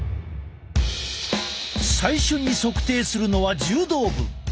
最初に測定するのは柔道部。